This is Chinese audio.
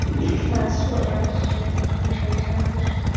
满速儿遂屠城杀掠。